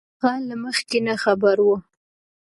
هغه له مخکې نه خبر وو